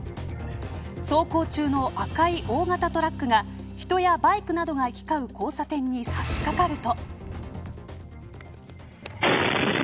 走行中の赤い大型トラックが人やバイクなどが行き交う交差点に差し掛かると。